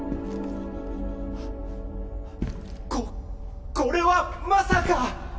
ここれはまさか。